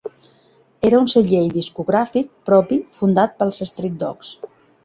Era un segell discogràfic propi fundat pels Street Dogs.